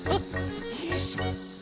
よいしょ。